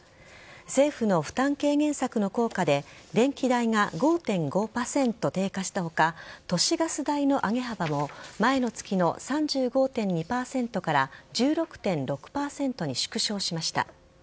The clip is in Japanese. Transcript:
政府の負担軽減策の効果で電気代が５．５％低下した他都市ガス代の上げ幅も前の月の３５．２％から１６．６％に縮小しました。